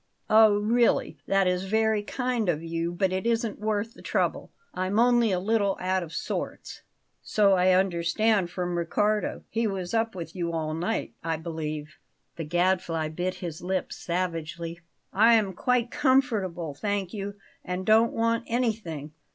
"Oh, really! that is very kind of you; but it wasn't worth the trouble. I'm only a little out of sorts." "So I understood from Riccardo. He was up with you all night, I believe." The Gadfly bit his lip savagely. "I am quite comfortable, thank you, and don't want anything."